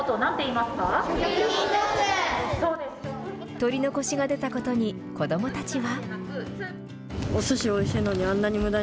取り残しが出たことに、子どもたちは。